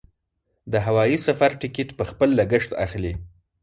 د هوايي سفر ټکټ په خپل لګښت اخلي.